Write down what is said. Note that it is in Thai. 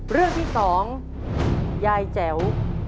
เรื่องที่๒ยายแจ๋ว